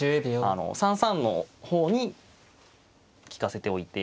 ３三の方に利かせておいて。